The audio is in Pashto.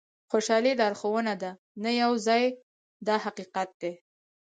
خوشالي لارښوونه ده نه یو ځای دا حقیقت دی.